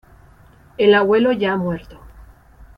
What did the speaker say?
El abuelo ya ha muerto.